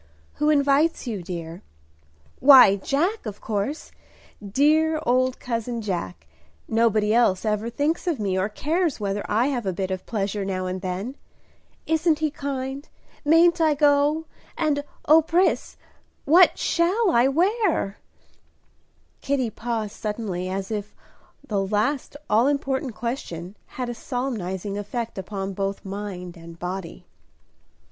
"Who invites you, dear?" "Why, Jack, of course, dear old cousin Jack. Nobody else ever thinks of me, or cares whether I have a bit of pleasure now and then. Isn't he kind? Mayn't I go? and, O Pris, what shall I wear?" Kitty paused suddenly, as if the last all important question had a solemnizing effect upon both mind and body.